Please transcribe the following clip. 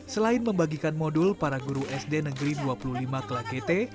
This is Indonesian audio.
selain membagikan modul para guru sd negeri dua puluh lima kelakete